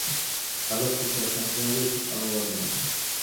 გაზაფხულსა და შემოდგომაზე იცის წყალმოვარდნები.